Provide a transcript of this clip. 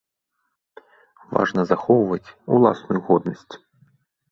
Важна захоўваць уласную годнасць.